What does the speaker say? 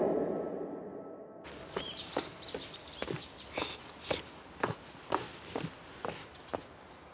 よいしょ。